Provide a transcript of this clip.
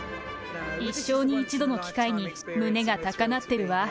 一生に一度の機会に胸が高鳴ってるわ。